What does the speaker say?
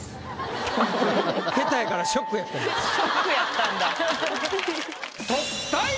ショックやったんだ。